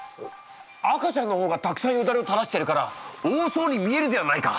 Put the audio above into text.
赤ちゃんのほうがたくさんよだれをたらしてるから多そうに見えるではないか！